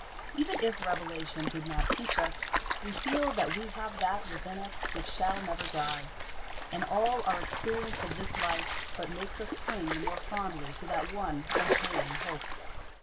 Even if revelation did not teach us, we feel that we have that within us which shall never die; and all our experience of this life but makes us cling the more fondly to that one repaying hope.